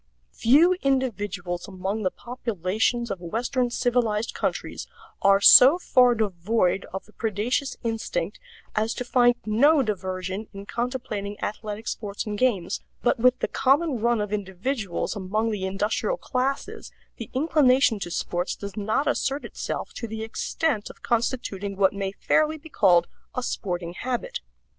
Few individuals among the populations of Western civilized countries are so far devoid of the predaceous instinct as to find no diversion in contemplating athletic sports and games, but with the common run of individuals among the industrial classes the inclination to sports does not assert itself to the extent of constituting what may fairly be called a sporting habit.